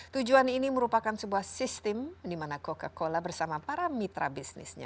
tujuan ini merupakan sebuah sistem di mana coca cola bersama para mitra bisnisnya